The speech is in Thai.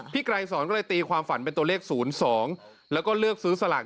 พี่ไกรสอนก็เลยตีความฝันเป็นตัวเลข๐๒